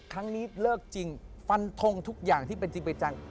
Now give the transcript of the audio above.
ครั้งนี้เลิกจริงฟันทงทุกอย่างที่เป็นจริงเป็นจัง